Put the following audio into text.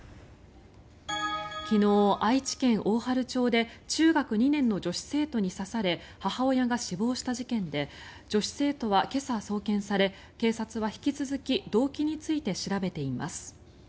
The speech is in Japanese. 昨日、愛知県大治町で中学２年の女子生徒に刺され母親が死亡した事件で女子生徒は今朝、送検され警察は引き続き動機について調べています。